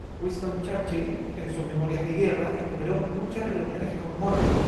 Winston Churchill en sus memorias de guerra enumeró muchas reuniones con Mólotov.